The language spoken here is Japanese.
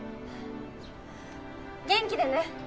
元気でね！